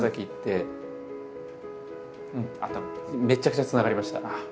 めちゃくちゃつながりました。